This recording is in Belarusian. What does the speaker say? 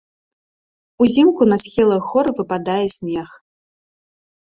Узімку на схілах гор выпадае снег.